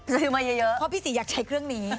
ซื้อมาเยอะเพราะพี่ศรีอยากใช้เครื่องนี้